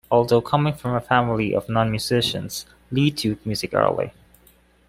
Although coming from a family of non-musicians, Li took to music early.